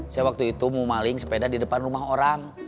saya waktu itu mau maling sepeda di depan rumah orang